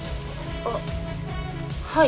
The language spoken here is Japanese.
あっはい。